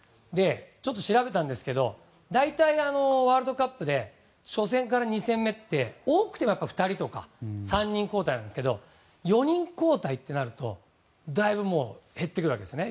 ちょっと調べたんですけど大体、ワールドカップで初戦から２戦目って多くて２人とか３人交代なんですけど４人交代となるとだいぶ減ってくるわけですね。